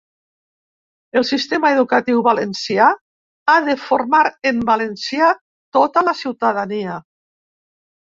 El sistema educatiu valencià ha de formar en valencià tota la ciutadania.